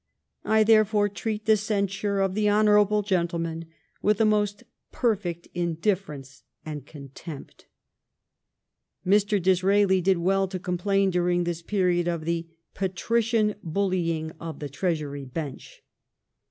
I therefore treat the censure of the hon. gentleman with the most perfect indifference and contempt." Mr. Disraeli did well to complain during this period of the ''patrician bullying of the Treasury bench.'